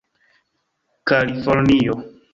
kalifornio